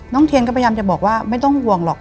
เทียนก็พยายามจะบอกว่าไม่ต้องห่วงหรอก